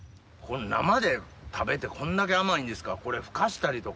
生で食べてこんだけ甘いんですから。